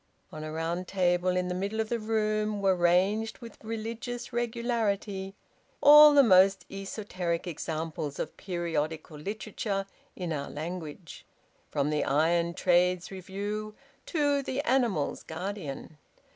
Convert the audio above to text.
On a round table in the middle of the room were ranged, with religious regularity, all the most esoteric examples of periodical literature in our language, from "The Iron Trades Review" to "The Animals' Guardian."